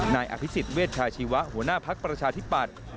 นายอภิษฎเวชชาชีวะหัวหน้าภักดิ์ประชาธิปัตย์